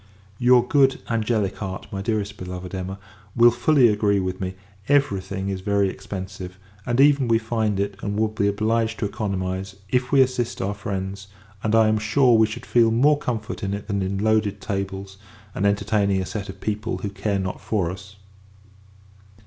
Your good, angelic heart, my dearest beloved Emma, will fully agree with me, every thing is very expensive; and, even we find it, and will be obliged to economise, if we assist our friends: and, I am sure, we should feel more comfort in it than in loaded tables, and entertaining a set of people who care not for us.